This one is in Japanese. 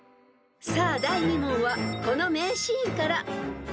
［さあ第２問はこの名シーンから］